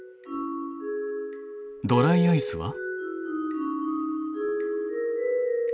ドライアイスは？